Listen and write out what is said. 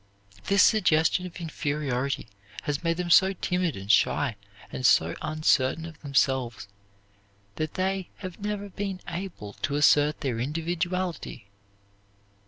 This suggestion of inferiority has made them so timid and shy and so uncertain of themselves that they have never been able to assert their individuality.